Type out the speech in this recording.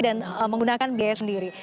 dan menggunakan biaya sendiri